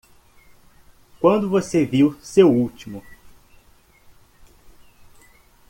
Quando você viu seu último?